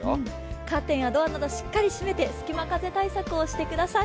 カーテンやドアなどしっかり閉めてすきま風対策をしてください。